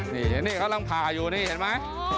นี่เห็นมั้ยเค้าต้องพาอยู่นี่เห็นมั้ย